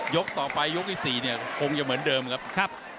ต่อไปยกที่๔เนี่ยคงจะเหมือนเดิมครับ